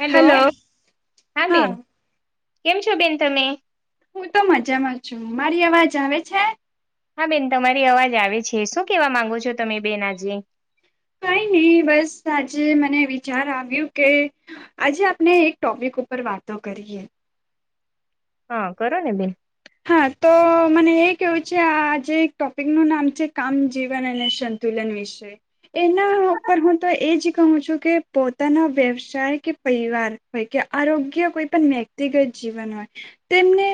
Hello. Hello હા બેન, કેમ છો બેન તમે? હું તો મજામાં છું મારી અવાજ આવે છે? હા બેન તમારી અવાજ આવે છે શું કેવા માંગો છો તમે બેન આજે? કઈ ની બસ આજે મને વિચાર આવ્યું કે આજે આપણે એક ટોપિક ઉપર વાતો કરીએ. હા, કરો ને બેન. હા, તો. તો મને એ કેવું છે આજે એક ટોપિક નું નામ છે કામ જીવન અને સંતુલન વિશે એના ઉપર હું તો એ જ કહું છું કે પોતાના વ્યવસાય કે પરિવાર. હોય કે આરોગ્ય કોઈ પણ વ્યક્તિગત જીવન હોય તેમને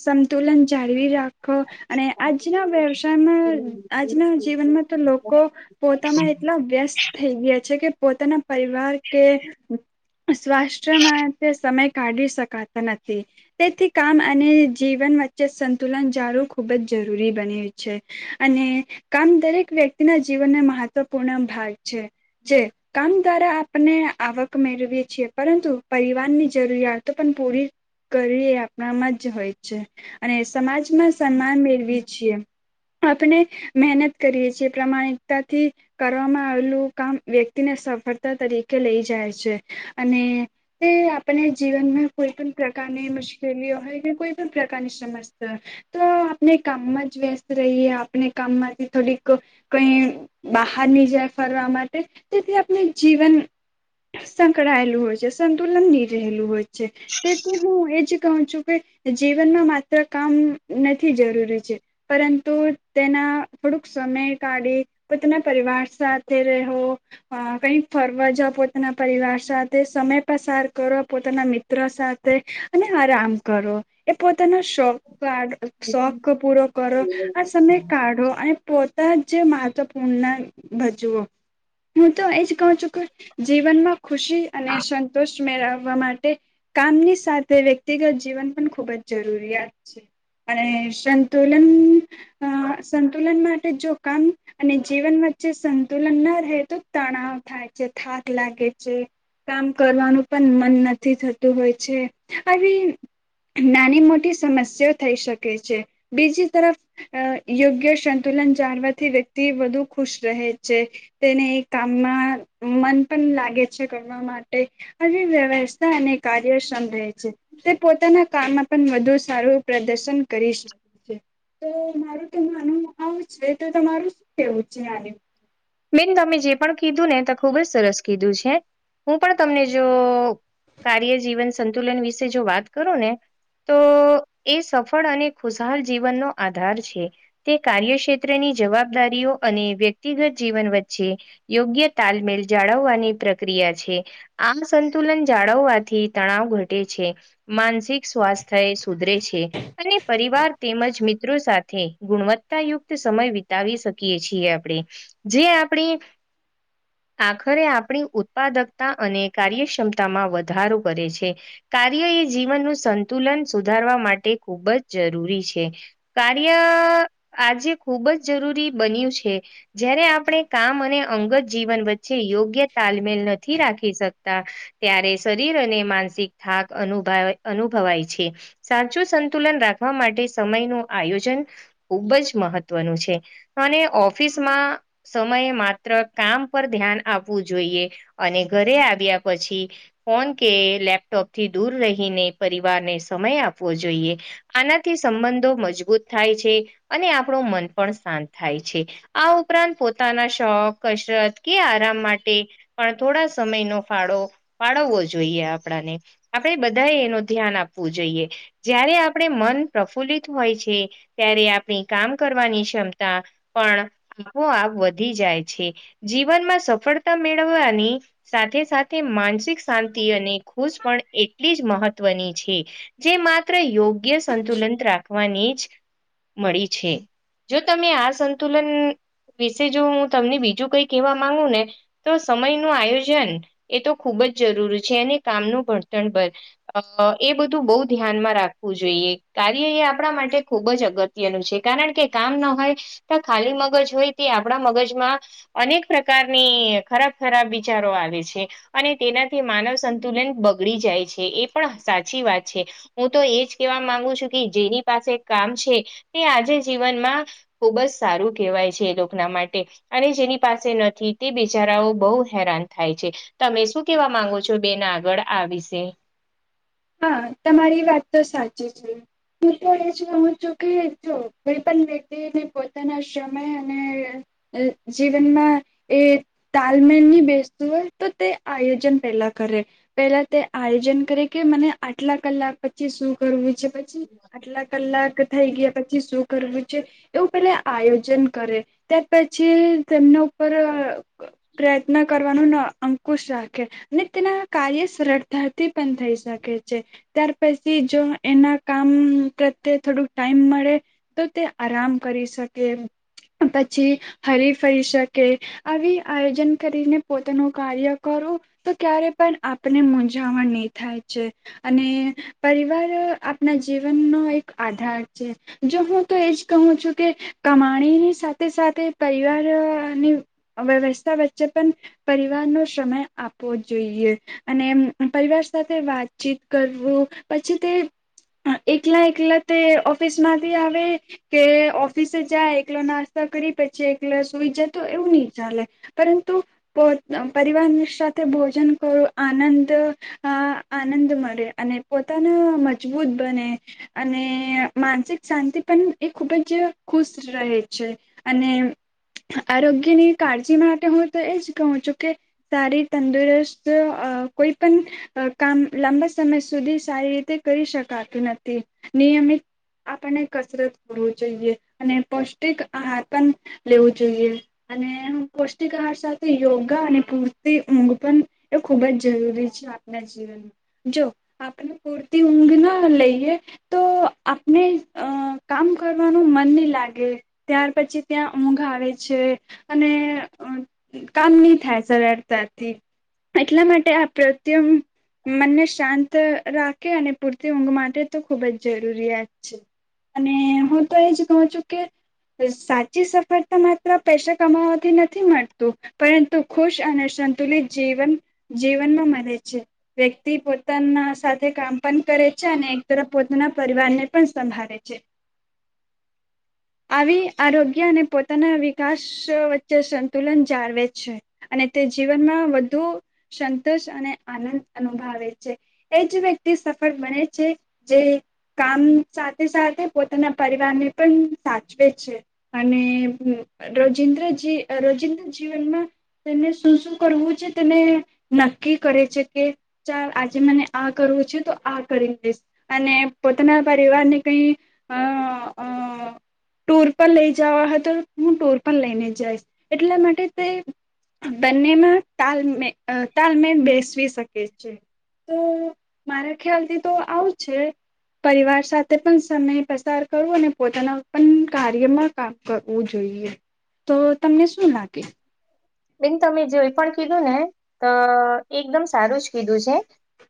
સમ તુલન જાળવી રાખો અને આજના વ્યવસાયમાં આજના જીવનમાં તો લોકો પોતામાં એટલા વ્યસ્ત થઈ ગયા છે કે પોતાના જે પરિવાર કે સ્વાસ્થ્ય માટે સમય કાઢી શકાય. નથી તેથી કામ અને જીવન વ ચે સંતુલન જાળવુ ખુબ જ જરૂરી બને છે. અને કામ દરેક વ્યક્તિના જીવનને મહત્વપૂર્ણ ભાગ છે જે કામ દ્વારા આપણે આવક મેળવીએ છીએ પરંતુ પરિવારની જરૂરિયાતો પણ પૂરી કરવી એ આપણામાં જ હોય છે અને સમાજમાં સન્માન મેળવી છીએ. આપણે મહેનત કરીએ છીએ પ્રમાણિકતાથી કરવામાં આવેલું કામ વ્યક્તિને સફળતા તરીકે લઈ જાય છે અને તે આપને જીવનમાં કોઈ પણ પ્રકારની મુશ્કેલીઓ હોય કે કોઈ પણ પ્રકારની શમસ્તા. તો આપણે કામમાં જ વ્યસ્ત રહીએ આપણે કામમાંથી થોડીક કઈ બાહારની જાય ફરવા માટે તેથી આપણે જીવન સંકળાયેલું હોય છે સંતુલન ની રહેલું હોય છે તેથી હું એજ કહું છું કે જીવનમાં માત્ર કામ નથી જરૂરી છે. પરંતુ તેના થોડુક સમે કાઢી. ખુદના પરિવાર સાથે રેહો. હ, કઈક ફરવા જાવ પોતાના પરિવાર સાથે સમય પસાર કરો પોતાના મિ ત્ર સાથે અને આરામ કરો. એ પોતાનો શોખા શોખ પૂરો કરો આ સમય કાઢો અને પોતાજ માહત્ત્વપૂર્ણા ભજવો‌. હું તો એજ કહું છું કે જીવનમાં ખુશી અને સંતોષ મેળવવા માટે કામની સાથે વ્યક્તિગત જીવન પણ ખૂબ જ જરૂરિયાત છે અને સંતુલન અ સંતુલન માટે જો કામ અને જીવન વચ્ચે સંતુલન ના રહે તો તણાવ થાય છે, થાક લાગે છે. કામ કરવાનું પણ મન નથી થતું હોય છે આવી નાની મોટી સમસ્યા થઈ શકે છે. બીજી તરફ અ યોગ્ય સંતુલન જાણવાથી વ્યક્તિ થી વધુ ખુશ રહે છે. તેને એ કામમાં મન પણ લાગે છે કરવા માટે હજ વ્યવસ્થા અને કાર્યક્ષમ રહે છે. તે પોતાના કામમાં પણ વધુ સારું પ્રદર્શન કરીશ. તો મારું તો માનું આવ છે તો તમારું શું કેવું છે આની? બેન તમે જે પણ કીધું ને તે ખુબ જ સરસ કીધું છે હું પણ તમને જો કાર્ય જીવન સંતુલન વિશે જો વાત કરો ને તો એ સફળ અને ખુશહાલ જીવનનો આધાર છે. તે કાર્યક્ષેત્રની જવાબદારીઓ અને વ્યક્તિગત જીવન વચ્ચે યોગ્ય તાલમેલ જાળવવાની પ્રક્રિયા છે. આમ સંતુલન જાળવવાથી તણાવ ઘટે છે. માનસિક સ્વાસ્થ્ય એ સુધરે છે. અને પરિવાર તેમજ મિત્રો સાથે ગુણવત્તાયુક્ત સમય વિતાવી શકાય. કીએ છીએ આપણે જે આપણે આખરે આપણી ઉત્પાદકતા અને કાર્યક્ષમતામાં વધારો કરે છે. કાર્ય એ જીવનનું સંતુલન સુધારવા માટે ખૂબ જ જરૂરી છે. કાર્ય આજે ખુબ જ જરૂરી બન્યું છે. જયારે આપણે કામ અને અંગત જીવન વચ્ચે યોગ્ય તાલમેલ નથી રાખી શકતા ત્યારે શરીર અને માનસિક થાક અનુભ અનુભવાય છે. સાચું સંતુલન રાખવા માટે સમય નુ આયોજન ખુબ જ મહત્વનું છે અને ઓફિસ સમયે માત્ર કામ પર ધ્યાન આપવું જોઈએ. અને ઘરે આવ્યા પછી ફોન કે લેપટોપથી દૂર રહીને પરિવારને સમય આપવો જોઈએ. આનાથી સંબંધો મજબૂત થાય છે અને આપણું મન પણ શાંત થાય છે. આ ઉપરાંત પોતાના શોખ કસરત કે આરામ માટે પણ થોડા સમયનો ફાળો ફાળવવો જોઈએ આપણાને આપણે બધાએ એનું ધ્યાન આપવું જોઈએ. જય્યારે આપણે મન પ્રફુલ્લિત હોય છે ત્યારે આપણી કામ કરવાની ક્ષમતા પણ આપોઆપ વધી જાય છે. જીવનમાં સફળતા મેળવવાની સાથે સાથે માનસિક શાંતિ અને ખુશ પણ એટલી જ મહત્વની છે. જે માત્ર યોગ્ય સંતુલન રાખ વાની જ મળી છે જો તમે આ સંતુલન વિશે જો હું તમને બીજું કઈ કેવા માંગુ ને તો સમય ન આયોજન એ તો ખૂબ જ જરૂરી છે અને કામનું ભણતણ પર અ એ બધું બહુ ધ્યાનમાં રાખવું જોઈએ કાર્ય એ આપણા માટે ખુબ જ અગત્ય અત ન છે કારણ કે કામ ના હોય તો ખાલી મગજ હોય તે આપણા મગજમાં અનેક પ્રકારની ખરાબ ખરાબ વિચારો આવે છે. અને તેનાથી માનવ સંતુલન બગડી જાય છે એ પણ સાચી વાત છે. હું તો એજ કેવા માંગુ છું કે જેની પાસે કામ છે તે આજે જીવનમાં ખુબ જ સારું કેવાય છે લોકોના માટે અને જેની પાસે નથી તે બિચારાઓ બહુ હેરાન થાય છે. તમે શું કેવા માંગો છો બેન આગળ આ વિશે? હા તમારી વાત તો સાચી છે. હું તો એ છે હું છું કે જો કોઈ પણ વ્યક્તિને પોતાના સમય અને જીવનમાં એ તાલમેલ ની બેસતું હોય તો તે આયોજન પહેલા કરે પેલા તે આયોજન કરે કે મને આટલા કલાક પછી શું કરવું છે પછી આટલા કલાક થઈ ગયા પછી શું કરવું છે. એવું પેલા આયોજન કરે ત્યાર પછી તેમના ઉપર પ્રયત્ન કરવાનું અંકુશ રાખે અને તેના કાર્ય સરળ ધરતી પણ થઈ શકે છે. ત્યાર પછી જો એના કામ પ્રત્યે થોડુંક ટાઈમ મળે તો તે આરામ કરી શકે પછી હરીફરી શકે આવી આયોજન કરીને પોતાનું કાર્ય કરું તો ક્યારે પણ આપને મૂજ જાવણ ની થાય છે અને પરિવાર આપણા જીવનનો એક આધાર છે. જો હું તો એજ કહું છું કે કમાણીની સાથે સાથે પરિવારની વ્યવસ્થા વચ્ચે પણ પરિવાર નો સમય આપવો જોઈએ અને એમ પરિવાર સાથે વાતચીત કરવું પછી તે એકલા એકલા તે ઓફિસ માંથી આવે કે ઓફિસે જાય એકલો નાસ્તા કરી પછી એકલા સુઈ જાય તો એવું નહી ચાલે પરંતુ પરિવારની સાથે ભોજન કરો આનંદ આ આનંદ મળે અને પોતાના મજબૂત બને અને માનસિક શાંતિ પણ એ ખુબ જ ખુશ રહે છે. અને આરોગ્યની કાળજી માટે હું તો એજ કહું છું કે સારી તંદુરસ્ત અ કોઈ પણ કામ લાંબા સમય સુધી સારી રીતે કરી શકાતું નથી નિયમિત. આપણને કસરત કરવું જોઈએ, અને પૌષ્ટિક આહાર પણ લેવો જોઈએ. અને પૌષ્ટિક આહાર સાથે યોગા અને પૂરતી ઊંઘ પણ એ ખુબ જ જરૂરી છે. છે આપના જીવનમાં જો આપણે પૂરતી ઊંઘ ના લઈએ તો આપને અ કામ કરવાનું મન નહીં લાગે ત્યાર પછી ત્યાં ઊંઘ આવે છે, અને અ કામ નહી થાય સરળતાથી એટલા માટે આ પ્રત્યમ મનને શાંત રાખે અને પૂરતી ઊંઘ માટે તો ખુબ જ જરૂરિયાત છે. અને હું તો એજ કઉ છું, કે સાચી સફળતા માત્ર પૈસા કમાવાથી નથી મળતું પરંતુ ખુશ અને સંતુલિત જીવન જીવનમાં મલે છે વ્યક્તિ પોતાના સાથે કામ પણ કરે છે, અને એક તરફ પોતાના પરિવાર ને પણ સંભાળે છે. [unintelligible] [inaudible] આવી આરોગ્ય અને પોતાના વિકાસ વચ્ચે સંતુલન જાળવે છે. અને તે જીવનમાં વધુ સંતોષ અને આનંદ અનુભાઈવે છે. એજ વ્યક્તિ સફળ બને છે, જે કામ સાથે સાથે પોતાના પરિવાર ને પણ સાચવે છે. અને રોજિન્દ્રજી રોજિન્દ્ર જીવનમાં તેને શું શું કરવું છે, તેને નક્કી કરે છે, કે ચાર આજે મને આ કરવું છે, તો આ કરી દઈસ અને પોતાના પરિવારને કંઈ અ અ ટૂર પર લઈ જવા હતો હું ટૂર પણ લઈને જઈશ એટલા માટે તે બંનેમાં તાલમે તાલમેલ બેસવી શકે છે. તો મારા ખ્યાલ થી તો આવું છે. પરિવાર સાથે પણ સમય પસાર કરો અને પોતાના પણ કાર્યમાં કામ કરવું જોઈએ, તો તમને શું લાગે. બેન તમે જોઈ પણ કીધું ને તો એકદમ સારું જ કીધું છે.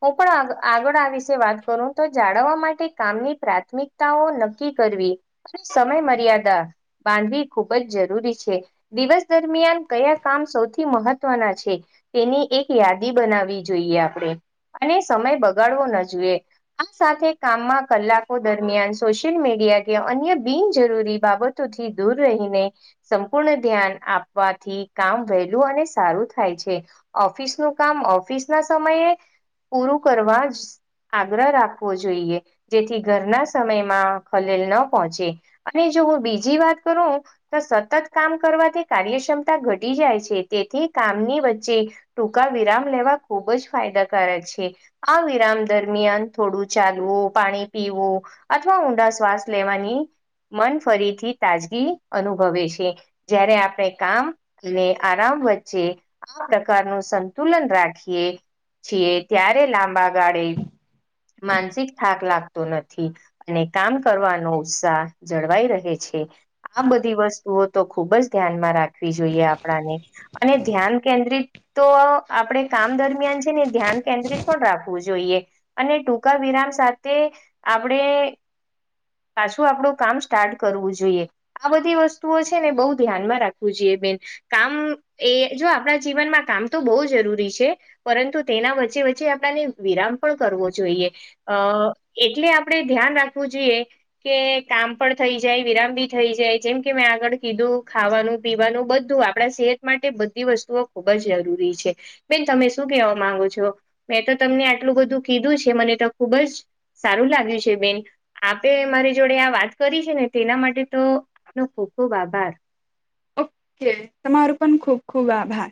હું પણ આગળ આ વિશે વાત કરું તો જાળવવા માટે કામની પ્રાથમિક તાઓ નક્કી કરવી અને સમય મર્યાદા બાંધવી ખૂબ જ જરૂરી છે, દિવસ દરમિયાન કયા કામ સૌથી મહત્વના છે, તેની એક યાદી બનાવવી જોઈએ આપણે અને સમય બગાડવો ના જોઈએ‌. આ સાથે કામમાં કલાકો દરમિયાન સોશિયલ મીડિયા કે અન્ય બિનજરૂરી બાબત થી દૂર રહીને સંપૂર્ણ ધ્યાન આપવા થી કામ વહેલું અને સારું થાય છે, ઓફિસ ન કામ ઓફિસ ના સમયે. પૂરું કરવા જ આગ્રહ રાખવો જોઈએ, જેથી ઘરના સમયમાં ખલેલ ન પહોંચે. અને જો હું બીજી વાત કરું તો સતત કામ કરવાથી કાર્યક્ષમ તા ઘટી જાય છે, તેથી કામની વચ્ચે ટૂંકા વિરામ લેવા ખૂબ જ ફાયદાકારક છે. આ વિરામ દરમિયાન થોડું ચાલવું પાણી પીવું. અથવા ઊંડા શ્વાસ લેવાની મન ફરીથી તાજગી અનુભવે છે, જ્યારે આપણે કામ અને આરામ વચ્ચે આ પ્રકારનું સંતુલન રાખીએ છીએ, ત્યારે લાંબા ગાળે માનસિક થાક લાગતો નથી. અને કામ કરવાનો ઉત્સાહ જળવાઈ રહે છે. આ બધી વસ્તુઓ તો ખુબ જ ધ્યાનમાં રાખવી જોઈએ, આપણાને અને ધ્યાન કેન્દ્રિત. તો આપણેે કામ દરમિયાન છે ને, ધ્યાન કેન્દ્રિત પણ રાખવું જોઈએ. અને ટૂંકા વિરામ સાથે આપણે. પાછું આપડું કામ સ્ટાર્ટ કરવું જોઈએ. આ બધી વસ્તુઓ છે ને, બહુ ધ્યાનમાં રાખવું જોઈએ બેન. કામ એ જો આપણા જીવનમાં કામ તો બહુ જરૂરી છે. પરંતુ તેના વચ્ચે વચ્ચે આપણાને વિરામ પણ કરવો જોઈએ. અ એટલે આપણે ધ્યાન રાખવું જોઈએ. કે કામ પણ થઈ જાય, વિરામ ભી થઈ જાય, જેમ કે મેં આગળ કીધું ખાવાનું, પીવાનું બધું આમ આપણા સેહત માટે બધી વસ્તુઓ ખુબ જ જરૂરી છે. બેન તમે શું કેહેવા માંગો છો? મેં તો તમને આટલું બધું કીધું છે. મને તો ખુબ જ સારું લાગ્યું છે બેન. આપે મારી જોડે આ વાત કરી છે ને તેના માટે તો આપનો ખૂબ ખુબ આભાર. ઓકે તમારો પણ ખુબ ખુબ આભાર.